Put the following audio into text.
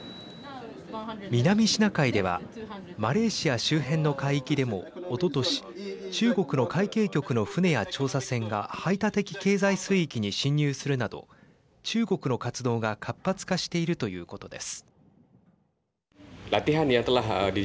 南シナ海ではマレーシア周辺の海域でもおととし中国の海警局の船や調査船が排他的経済水域に侵入するなど中国の活動が活発化しているということです。